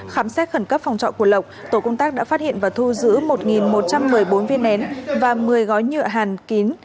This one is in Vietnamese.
khám xét khẩn cấp phòng trọ của lộc tổ công tác đã phát hiện và thu giữ một một trăm một mươi bốn viên nén và một mươi gói nhựa hàn kín